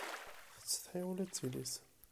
Tettsetḥi ula d tili-s